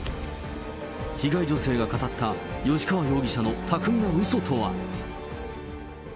被害女性が語った吉川容疑者の巧みなうそとは。